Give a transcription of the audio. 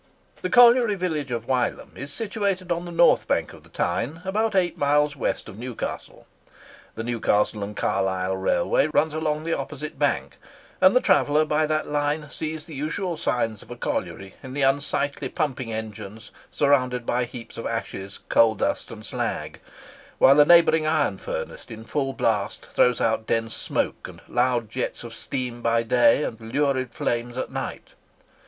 The colliery village of Wylam is situated on the north bank of the Tyne, about eight miles west of Newcastle. The Newcastle and Carlisle railway runs along the opposite bank; and the traveller by that line sees the usual signs of a colliery in the unsightly pumping engines surrounded by heaps of ashes, coal dust, and slag; whilst a neighbouring iron furnace in full blast throws out dense smoke and loud jets of steam by day and lurid flames at night.